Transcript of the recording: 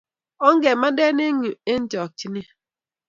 Ongemande eng yuu eng chakchinet